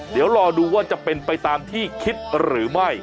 เดี๋ยวรอดูว่าจะเป็นไปตามที่คิดหรือไม่